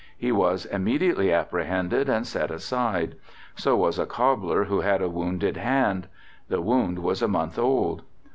He was immediately apprehended and set aside. So was a cobbler who had a wounded hand; the wound was a month old.